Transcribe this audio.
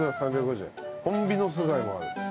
ホンビノス貝もある。